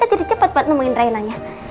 jadi cepat buat nemuin rainanya